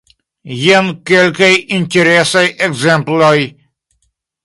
Jen kelkaj interesaj ekzemploj.